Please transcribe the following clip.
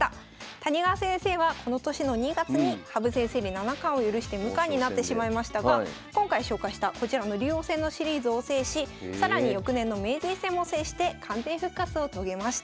谷川先生はこの年の２月に羽生先生に七冠を許して無冠になってしまいましたが今回紹介したこちらの竜王戦のシリーズを制し更に翌年の名人戦も制して完全復活を遂げました。